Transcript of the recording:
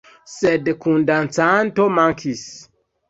Sed kundancanto mankis.